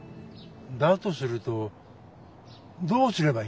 だとするとどうすればいいんだ？